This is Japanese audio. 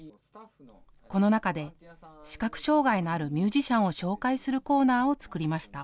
この中で、視覚障害のあるミュージシャンを紹介するコーナーを作りました。